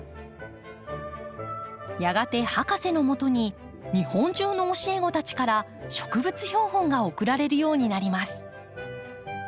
やがて博士のもとに日本中の教え子たちから植物標本が送られるようになります。